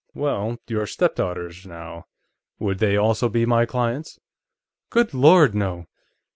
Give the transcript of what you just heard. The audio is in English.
"Well, your stepdaughters, now; would they also be my clients?" "Good Lord, no!"